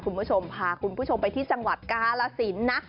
คุณผู้ชมพาคุณผู้ชมไปที่จังหวัดกาลสินนะ